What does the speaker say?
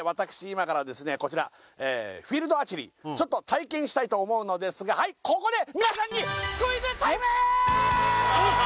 今からですねこちらフィールドアーチェリーちょっと体験したいと思うのですがはいここで皆さんにクイズタイム！